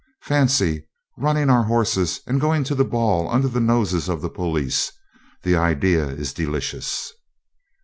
Fancy running our horses and going to the ball under the noses of the police the idea is delicious!'